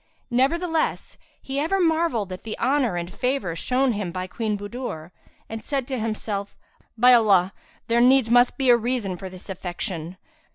Nevertheless, he ever marvelled at the honour and favour shown him by Queen Budur and said to himself, "By Allah, there needs must be a reason for this affection!